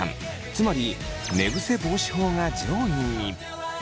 つまり寝ぐせ防止法が上位に！